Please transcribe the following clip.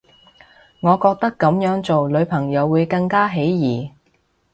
我覺得噉樣做女朋友會更加起疑